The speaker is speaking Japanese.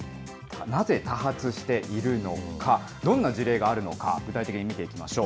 なぜ多発しているのか、どんな事例があるのか、具体的に見ていきましょう。